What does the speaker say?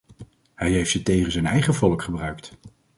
Hij heeft ze tegen zijn eigen volk gebruikt.